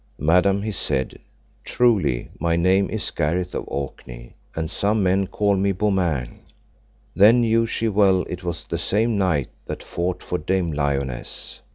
Madam, he said, truly my name is Gareth of Orkney, and some men call me Beaumains. Then knew she well it was the same knight that fought for Dame Lionesse.